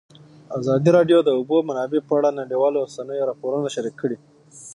ازادي راډیو د د اوبو منابع په اړه د نړیوالو رسنیو راپورونه شریک کړي.